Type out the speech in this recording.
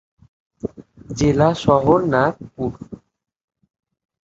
জেলা সদর নাগপুর।